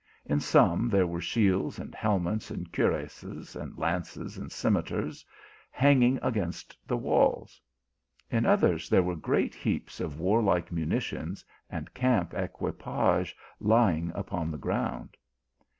In some there were shields, and helmets, and cuirasses, and lances, and scimitars hanging against the walls ; in others, there were great heaps of warlike munitions and camp equipage lying upon the ground.